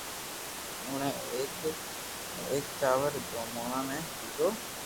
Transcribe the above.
اوڻي او ايڪ او ايڪ چاور ري دوڻا ني ليدو